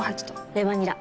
レバニラ。